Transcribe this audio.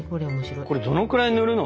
これどのくらい塗るの？